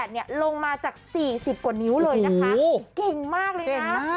ลงมาจาก๔๐กว่านิ้วเลยนะคะเก่งมากเลยนะ